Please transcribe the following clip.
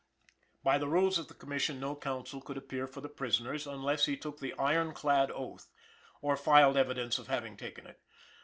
By the rules of the Commission no counsel could appear for the prisoners unless he took the "iron clad oath" or filed evidence of having taken it.